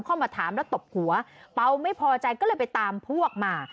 เข้ามาถามแล้วตบหัวเปล่าไม่พอใจก็เลยไปตามพวกมา